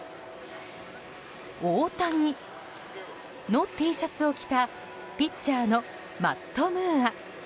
大谷のＴシャツを着たピッチャーのマット・ムーア。